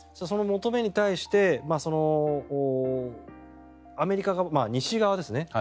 その求めに対してアメリカ、西側ですね